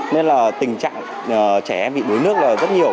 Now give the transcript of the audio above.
nên là tình trạng trẻ bị bối nước là rất nhiều